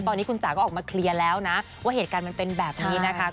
ตอนนี้คุณจ๋าก็ออกมาเคลียร์แล้วนะว่าเหตุการณ์มันเป็นแบบนี้นะคะ